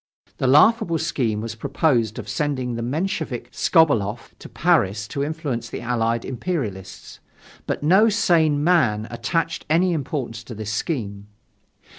The laughable scheme was proposed of sending the Menshevik Skobeloff to Paris to influence the allied imperialists. But no sane man attached any importance to this scheme.